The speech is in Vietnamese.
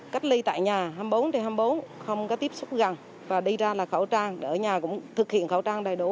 cách ly tại nhà hai mươi bốn trên hai mươi bốn không có tiếp xúc gần và đi ra là khẩu trang để ở nhà cũng thực hiện khẩu trang đầy đủ